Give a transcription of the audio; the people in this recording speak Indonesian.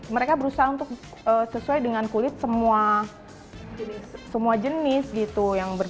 mereka berusaha untuk sesuai dengan kulit semua jenis gitu